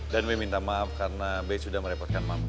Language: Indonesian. dan be minta maaf karena be sudah merepotkan mama